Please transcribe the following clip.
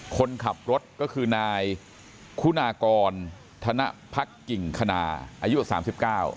คนขับรถก็คือนายคุณากรธนพักกิ่งคณาอายุสามสิบเก้า